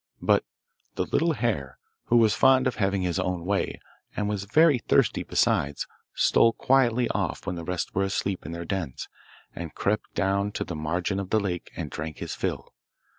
But the little hare, who was fond of having his own way, and was very thirsty besides, stole quietly off when all the rest were asleep in their dens, and crept down to the margin of the lake and drank his fill.